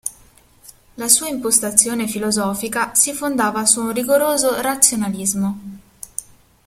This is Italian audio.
La sua impostazione filosofica si fondava su un rigoroso razionalismo.